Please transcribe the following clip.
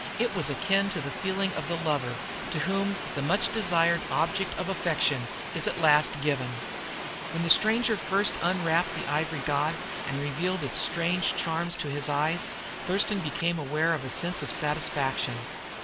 It was akin to the feeling of the lover to whom the much desired object of affection is at last given. When the stranger first unwrapped the ivory god and revealed its strange charms to his eyes, Thurston became aware of a sense of satisfaction.